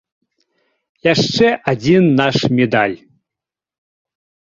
Яшчэ адзін наш медаль!